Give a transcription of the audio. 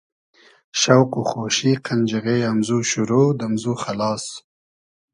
شۆق و خۉشی قئنجیغې امزو شورۉ, دئمزو خئلاس